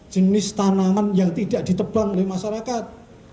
jenis tanaman yang tidak ditebang oleh masyarakat